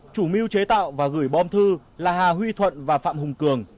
chủ mưu chế tạo và gửi bom thư là hà huy thuận và phạm hùng cường